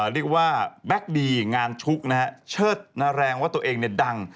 เรียกว่าแบ็คดีงานชุกนะฮะเชิดนาแรงว่าตัวเองเนี่ยดัง